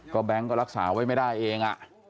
ก็แบงค์ก็รักษาไว้ไม่ได้เอง